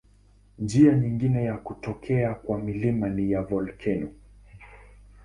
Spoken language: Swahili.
Njia nyingine ya kutokea kwa milima ni volkeno.